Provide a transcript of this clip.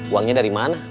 uangnya dari mana